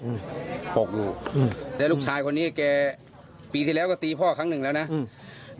อืมตกอยู่อืมแล้วลูกชายคนนี้แกปีที่แล้วก็ตีพ่อครั้งหนึ่งแล้วนะอืม